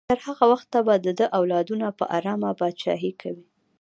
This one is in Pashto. تر هغه وخته به د ده اولادونه په ارامه پاچاهي کوي.